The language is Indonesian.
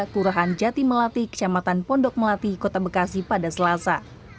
kelurahan jati melati kecamatan pondok melati kota bekasi pada selasa